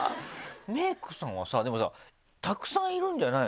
メイクさんはさでもさたくさんいるんじゃないの？